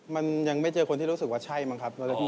มันยังไม่เจอคนที่รู้สึกว่าใช่มั้งครับ